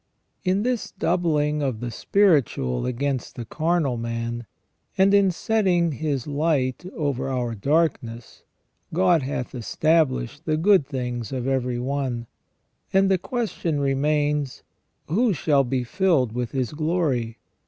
In this doubling of the spiritual against the carnal man, and in setting His light over our darkness, God " hath established the good things of every one ". And the question remains: " Who shall be filled with His glory?"